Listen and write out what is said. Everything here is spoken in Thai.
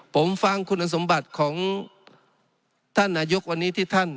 ผมฟังคุณสมบัติของท่านนายกวันนี้ที่ท่าน